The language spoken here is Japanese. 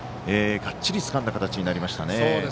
がっちりつかんだ形になりましたね。